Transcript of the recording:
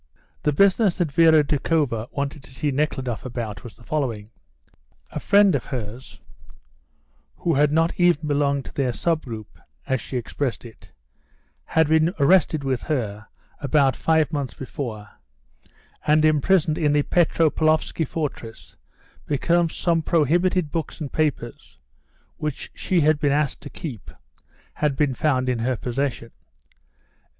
The business that Vera Doukhova wanted to see Nekhludoff about was the following: A friend of hers, who had not even belonged to their "sub group," as she expressed it, had been arrested with her about five months before, and imprisoned in the Petropavlovsky fortress because some prohibited books and papers (which she had been asked to keep) had been found in her possession.